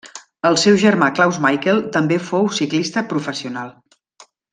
El seu germà Claus Michael també fou ciclista professional.